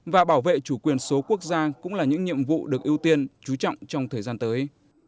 và bảo vệ chủ quyền số quốc gia cũng là những nhiệm vụ được ưu tiên chú trọng trong thời gian tới